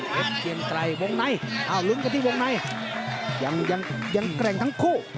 เกียงไกรวงในอ้าวลุ้นกันที่วงในยังแกร่งทั้งคู่